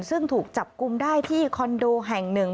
ซึ่งถูกจับกลุ่มได้ที่คอนโดแห่งหนึ่ง